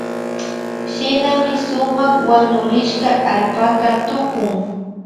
Shinami sumak wanurishka allpaka tukun